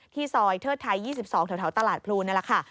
ซอยเทิดไทย๒๒แถวตลาดพลูนั่นแหละค่ะ